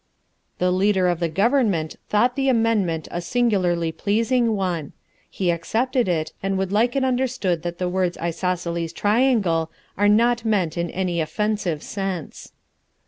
The Leader of the Government thought the amendment a singularly pleasing one. He accepted it and would like it understood that the words isosceles triangle were not meant in any offensive sense.